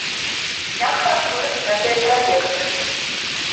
Як працуюць гэтыя праекты?